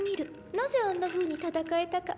なぜあんなふうに戦えたか。